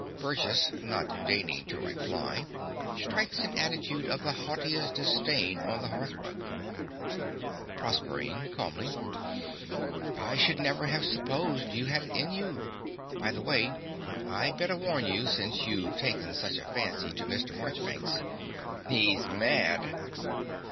(Burgess, not deigning to reply, strikes an attitude of the haughtiest disdain on the hearth rug.) PROSERPINE (calmly). I should never have supposed you had it in you. By the way, I'd better warn you, since you've taken such a fancy to Mr. Marchbanks. He's mad.